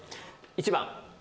１番。